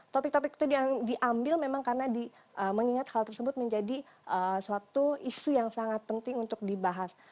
topik topik itu yang diambil memang karena mengingat hal tersebut menjadi suatu isu yang sangat penting untuk dibahas